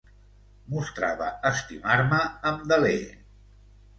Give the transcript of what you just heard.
Mostrava estimar-me amb deler.